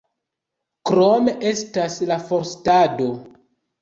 Krome estas la forstado.